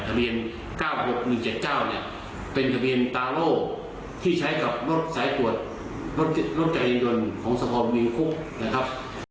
ทะเบียน๙๖๑๗๙เนี่ยเป็นทะเบียนตาโล่ที่ใช้กับรถสายตรวจรถจักรยายนต์ของสะพอมีคุกนะครับ